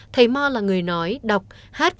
thầy mò là người nói đọc hát